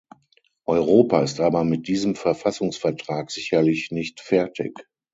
Europa ist aber mit diesem Verfassungsvertrag sicherlich nicht fertig.